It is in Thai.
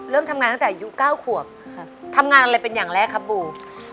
ทำงานตั้งแต่อายุ๙ขวบทำงานอะไรเป็นอย่างแรกครับบู